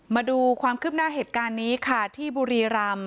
มาดูความคืบหน้าเหตุการณ์นี้ค่ะที่บุรีรำ